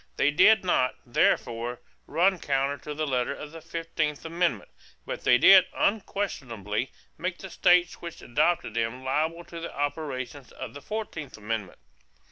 They did not, therefore, run counter to the letter of the fifteenth amendment; but they did unquestionably make the states which adopted them liable to the operations of the fourteenth amendment.